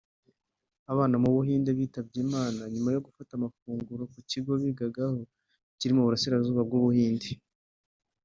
Abana mu buhinde bitabye Imana nyuma yo gufata amafunguro ku kigo bigagaho kiri mu burasirazuba bw’Ubuhinde